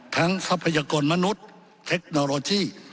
ทรัพยากรมนุษย์เทคโนโลยี